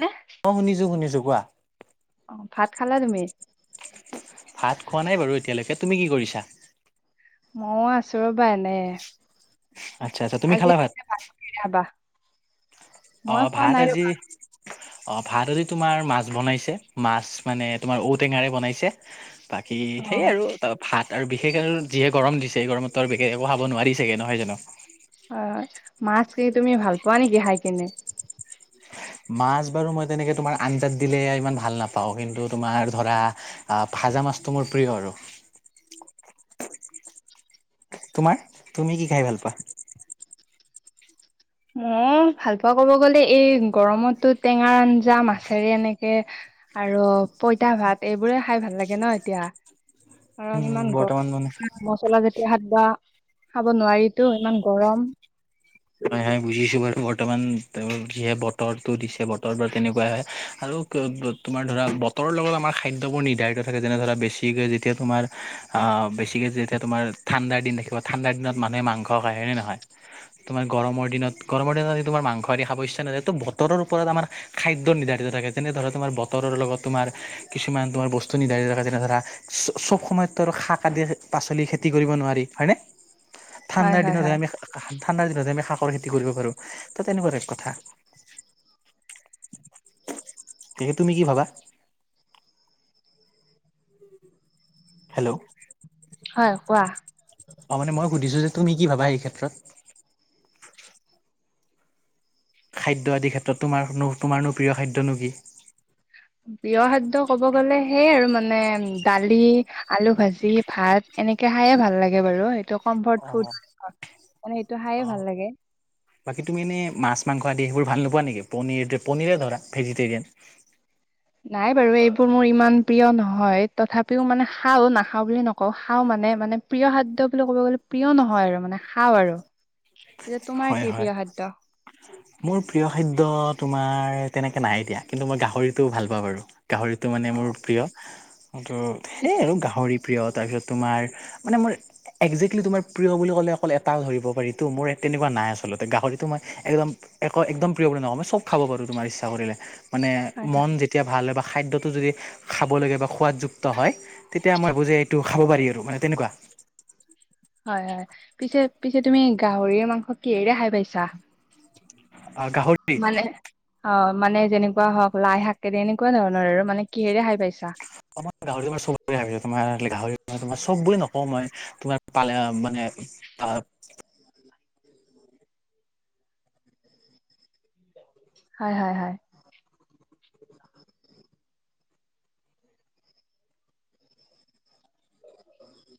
নে? অ' শুনিছোঁ শুনিছোঁ কোৱা। অ, ভাত খালা তুমি? ভাত খোৱা নাই বাৰু এতিয়ালৈকে তুমি কি কৰিছা? মইও আছোঁ ৰ'বা এনে। আচ্ছা আচ্ছা, তুমি আজি খালা ভাত? পিছে কিহেৰে খাবা? মই অ' খোৱা ভাত নাই আজি ৰ'বা। অ ভাত আজি তোমাৰ মাছ বনাইছে মাছ মানে তোমাৰ ঔ টেঙাৰে বনাইছে। বাকী সেয় অ', আৰু তা ভাত আৰু বিশেষ আৰু যিহে গৰম দিছে গৰমতটো আৰু বিশেষ একো খাব নোৱাৰি চাগে নহয় জানো। হয়। মাছ কি তুমি ভাল পোৱা নেকি খাই কিনে? মাছ বাৰু মই তেনেকে তোমাৰ আঞ্জাত দিলে ইমান ভাল নাপাওঁ কিন্তু তোমাৰ ধৰা আহ ভা ভাজা মাছটো মোৰ প্ৰিয় আৰু। [inaudible] তোমাৰ তুমি কি খায় ভাল পোৱা? মোৰ ভাল পোৱা ক'ব গ'লে এই গৰমতো টেঙাৰ আঞ্জা মাছেৰে এনেকে আৰু পইতা ভাত এইবোৰে খাই ভাল লাগে ন এতিয়া। কাৰণ উম ইমান বৰ্তমান মানে গৰম মছলা জাতীয় খাদ্য বা খাব নোৱাৰিতো ইমান গৰম। বুজিছোঁ বাৰু বৰ্তমান ত যিহে বতৰটো দিছে বতৰ বা তেনেকুৱাই হয় আৰু ক'ব তোমাৰ ধৰা বতৰৰ লগত আমাৰ খাদ্যবোৰ নিৰ্ধাৰিত থাকে যেনে ধৰা বেছিকে যেতিয়া তোমাৰ আহ বেছিকে যেতিয়া তোমাৰ ঠাণ্ডাৰ দিন দেখিব ঠাণ্ডাৰ দিনত মানুহে মাংস খায় হয় নে নহয়? [unintelligible] তোমাৰ গৰমৰ দিনত গৰমৰ দিনত আদি তোমাৰ মাংসৱেদি খাবলৈ ইচ্ছা নাযায় তো বতৰৰ ওপৰত আমাৰ খাদ্য নিৰ্ধাৰিত থাকে। যেনে ধৰা তোমাৰ বতৰৰ লগত তোমাৰ কিছুমান তোমাৰ বস্তু নিৰ্ধাৰিত থাকে যেনে ধৰা চ চব সময়ত শাক কাতি পাচলি খেতি কৰিব নোৱাৰি হয়নে হয়, ঠাণ্ডাৰ হয়, দিনত হয়। আমি হা শা ঠাণ্ডাৰ দিনত আমি শাকৰ খেতি কৰিব পাৰো ত তেনেকুৱা এক কথা। তাকে তুমি কি ভাবা? হেল্ল' হয় কোৱা অ মানে মই সুধিছো যে তুমি কি ভাবা এই ক্ষেত্ৰত খাদ্য আদিৰ ক্ষেত্ৰত তোমাৰনো তোমাৰনো প্ৰিয় খাদ্যনো কি প্ৰিয় খাদ্য কব গ'লে সেই আৰু মান মানে দালি আলু ভাজি ভাত এনেকে খায়ে ভাল লাগে বাৰু এইটো অ কম্পৰ্ট ফুথ মানে সেইটো অ খায়ে ভাল লাগে বাকী তুমি এনেই মাছ মাংস আদি সেইবোৰ ভাল নোপোৱা নেকি পনীৰ পনীৰে ধৰা ভেজিটেৰিয়ান নাই বাৰু এইবোৰ মোৰ ইমান প্ৰিয় নহয় তথাপিও মানে খাওঁ নাখাও বুলি নকওঁ খাওঁ মানে মানে প্ৰিয় খাদ্য বুলি ক'ব গ'লে প্ৰিয় নহয় আৰু মানে খাওঁ আৰু যে তোমাৰ হয় কি হয় প্ৰিয় খাদ্য? মোৰ প্ৰিয় খাদ্ দ্য তোমাৰ তেনেকে নাই দিয়া কিন্তু মই গাহৰিটো ভাল পাওঁ বাৰু গাহৰিটো মানে মোৰ অ' প্ৰিয় ত পিছ সেয়ে আৰু গাহৰি প্ৰিয় তাৰপিছত তোমাৰ মানে মোৰ একজেক্টলি তোমাৰ প্ৰিয় বুলি ক'লে অকল এটা ধৰিব পাৰি ত মোৰ তেনেকুৱা নাই আচলতে গাহৰিতটো মই একদম এক একদম প্ৰিয় বুলি নকওঁ মই চব খাব পাৰো তোমাৰ ইচ্ছা কৰিলে মানে হয় হয় মন যেতিয়া ভাল অভ্যা খাদ্যটো যদি খাব লাগে বা সোৱাদযুক্ত হয় তেতিয়া মই বুজে টো খাব পাৰি আৰু মানে তেনেকুৱা হয় হয় পিছে পিছে তুমি গাহৰিৰে মাংস কিহেৰে খাই পাইছা অ গাহৰি মানে অ' মানে যেনেকুৱা হওক লাই শাক তেনে এনেকুৱা ধৰণৰ আৰু মানে কিহেৰে খায় পাইছা অসমত গাহৰি মাংস তোমাৰ গাহৰি তোমাৰ সব বুলি নকওঁ মই তোমাৰ পালে মানে আহ হয় হয় হয়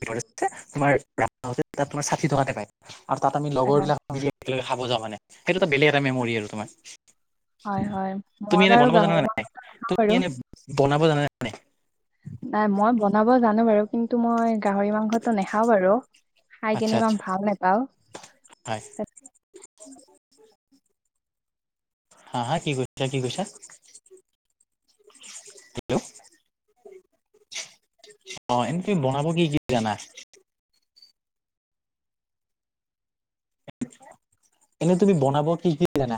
তমাৰ ত তোমাৰ ষাঠি টকাতে পায় আৰু তাত আমি হয়, লগৰ হয়, বিলাকে মিলি একেলগে খাব যাওঁ মানে সেইটো এটা বেলেগ এটা মেমৰি আৰু তোমাৰ হয়, হয়। তুমি মই এনে বাৰু বনাব জানা গাহৰি না মাংস নাই খাওঁ তুমি বাৰু এনে বনাব ব জানা নে নাই নাই মই বনাব জানো বাৰু কিন্তু মই গাহৰি মাংসটো নাখাও বাৰ খাই আচ্ছা কিনে আচ্ছা ইমান ভাল নেপাওঁ হয় [inaudible] হা হা কি কৈছা কি কৈছা হেল্ল' অ এনে তুমি বনাব কি কি জানা এনেই তুমি বনাব কি কি জানা